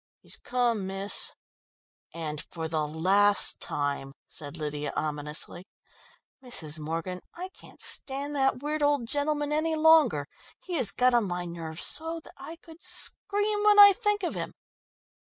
"He's come, miss." "And for the last time," said Lydia ominously. "Mrs. Morgan, I can't stand that weird old gentleman any longer. He has got on my nerves so that I could scream when I think of him."